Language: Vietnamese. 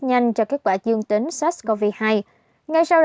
nhằm tìm kiếm bệnh tật cdc nghệ an